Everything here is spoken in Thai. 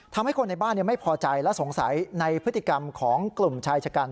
ทำให้คนในบ้านไม่พอใจและสงสัยในพฤติกรรมของกลุ่มชายชะกัน